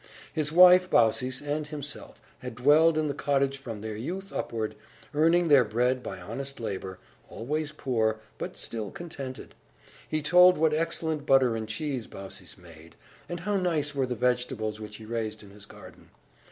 His wife Baucis and himself had dwelt in the cottage from their youth upward, earning their bread by honest labour, always poor, but still contented. He told what excellent butter and cheese Baucis made, and how nice were the vegetables which he raised in his garden.